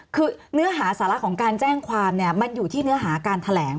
คือเนื้อหาสาระของการแจ้งความเนี่ยมันอยู่ที่เนื้อหาการแถลง